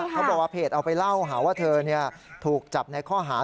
เขาบอกว่าเพจเอาไปเล่าหาว่าเธอถูกจับในข้อหา